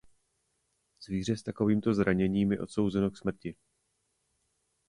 Zvíře s takovýmto zraněním je odsouzeno k smrti.